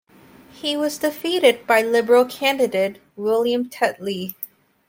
He was defeated by Liberal candidate William Tetley.